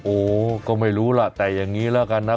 โอ้ก็ไม่รู้ล่ะแต่อย่างนี้แล้วกันนะ